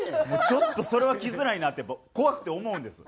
ちょっとそれは着づらいなって怖くて思うんです。